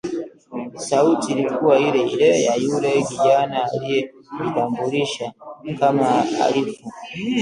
Sauti ilikuwa ile ile ya yule kijana aliyejitambulisha kama Arifu